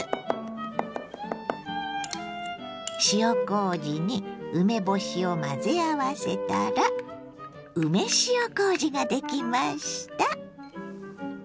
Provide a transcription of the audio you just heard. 塩こうじに梅干しを混ぜ合わせたら梅塩こうじができました。